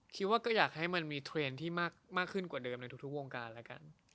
คิดว่าก็อยากให้มันมีเทรนด์ที่มากขึ้นกว่าเดิมในทุกวงการแล้วกัน